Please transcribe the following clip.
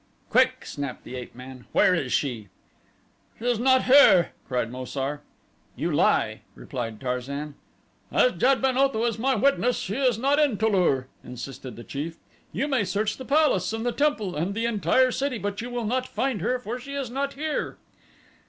"Quick," snapped the ape man, "Where is she?" "She is not here," cried Mo sar. "You lie," replied Tarzan. "As Jad ben Otho is my witness, she is not in Tu lur," insisted the chief. "You may search the palace and the temple and the entire city but you will not find her, for she is not here."